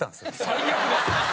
最悪です！